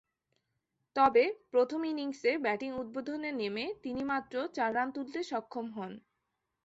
তবে, প্রথম ইনিংসে ব্যাটিং উদ্বোধনে নেমে তিনি মাত্র চার রান তুলতে সক্ষম হন।